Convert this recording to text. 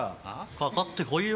かかってこいよ。